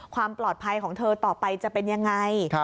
ความปลอดภัยของเธอต่อไปจะเป็นยังไง